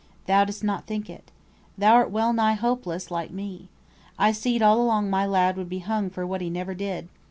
Thou dost not think it. Thou'rt well nigh hopeless, like me. I seed all along my lad would be hung for what he never did.